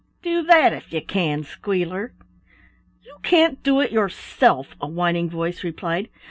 Do that if you can, Squealer." "You can't do it yourself," a whining voice replied.